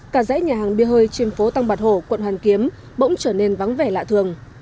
cả dãy nhà hàng bia hơi trên phố tăng bạc hổ quận hoàn kiếm bỗng trở nên vắng vẻ lạ thường